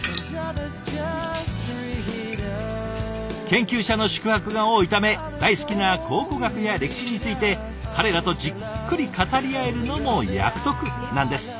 研究者の宿泊が多いため大好きな考古学や歴史について彼らとじっくり語り合えるのも役得なんですって。